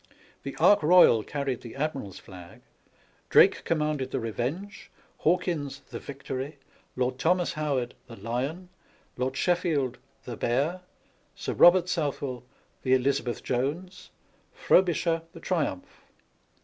The Ark Royal carried the admiral's flag; Drake commanded the Revenge, Hawkins the Victory, Lord Thomas Howard the Lyon, Lord Sheffield the Bear, Sir Bobert Southwell the Elizabeth Jones, Frobisher the Triumph.